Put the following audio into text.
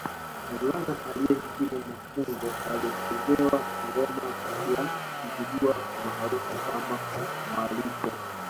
Mvulana aliyehitimu mafunzo alichezewa ngoma ya Kizigua maarufu kama Mwaliko